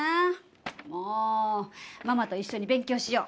もうママと一緒に勉強しよう。